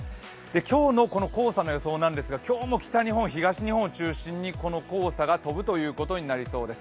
今日のこの黄砂の予想なんですが今日も東日本、北日本中心にこの黄砂が飛ぶということになりそうです。